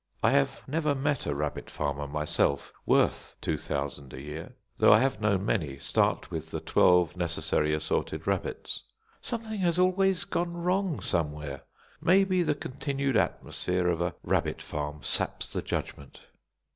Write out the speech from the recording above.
I have never met a rabbit farmer myself worth two thousand a year, though I have known many start with the twelve necessary, assorted rabbits. Something has always gone wrong somewhere; maybe the continued atmosphere of a rabbit farm saps the judgment.